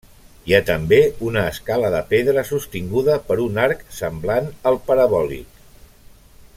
Hi ha també una escala de pedra sostinguda per un arc semblant al parabòlic.